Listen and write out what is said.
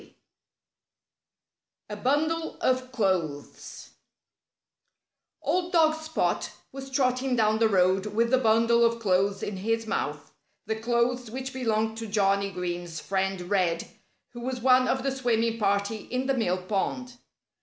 IX A BUNDLE OF CLOTHES Old dog Spot was trotting down the road with the bundle of clothes in his mouth the clothes which belonged to Johnnie Green's friend Red, who was one of the swimming party in the mill pond.